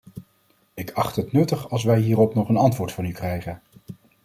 Ik acht het nuttig als wij hierop nog een antwoord van u krijgen.